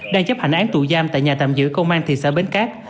đang chấp hành án tù giam tại nhà tạm giữ công an thị xã bến cát